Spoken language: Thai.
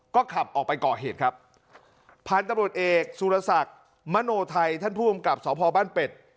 ก็ขับออกไปเกาะเหตุครับผ่านตะบนเอกสุรสักตร์มโนไทท่านผู้กำกับสอบพอบ้านเป็ด